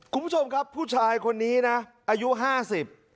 คุณผู้ชมครับผู้ชายคนนี้นะอายุห้าสิบ